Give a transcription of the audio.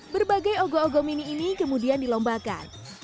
berbagai ogo ogo mini ini kemudian dilombakan